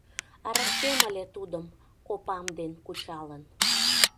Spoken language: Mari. Ырыктем ыле тудым, копам ден кучалын